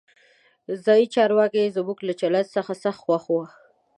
ځایي چارواکي زموږ له چلند څخه سخت خوښ وو.